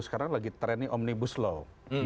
sekarang lagi trendnya omnibus law